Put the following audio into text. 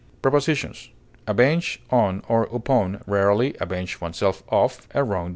Prepositions: Avenge on or upon (rarely, avenge oneself of) a wrong doer.